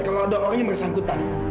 kalau ada orang yang bersangkutan